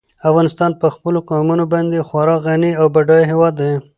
افغانستان په خپلو قومونه باندې خورا غني او بډای هېواد دی.